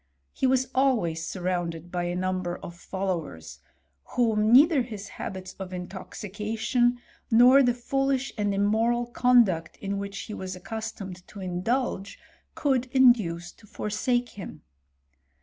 He was always surrounded by a number of followers, whom neither his habits of in toxication, nor the foolish and immoral conduct in which he was accustomed to indulge, could induce to forsake him.